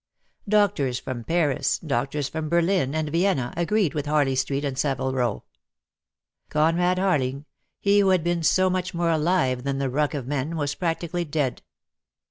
Doctors from Paris, doctors from Berlin and Vienna, agreed with Harley Street and Savile Row. Conrad Harhng — he who had been so much more alive than the ruck of men — was practically dead.